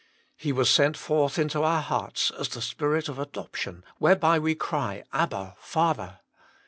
He was sent forth into our hearts ae " the Spirit of adoption, whereby we cry, Abba, Father."